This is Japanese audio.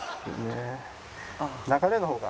流れの方が。